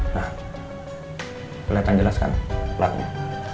nah kelihatan jelas kan pelakunya